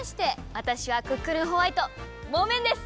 わたしはクックルンホワイトモメンです！